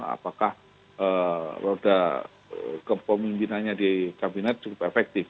apakah roda kepemimpinannya di kabinet cukup efektif